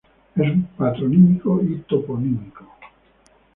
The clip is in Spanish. Es un patronímico y toponímico.